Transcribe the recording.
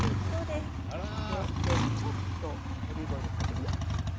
ちょっとオリーブオイルをかける。